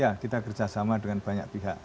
ya kita kerjasama dengan banyak pihak